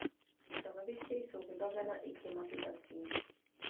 Stanoviště jsou vybavena i klimatizací.